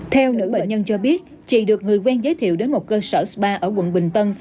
theo nữ bệnh nhân cho biết chị được người quen giới thiệu đến một cơ sở spa ở quận bình tân